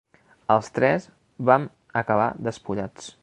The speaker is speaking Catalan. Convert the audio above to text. Els tres vam acabar despullats.